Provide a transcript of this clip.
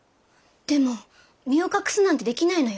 でも身を隠すなんてできないのよ。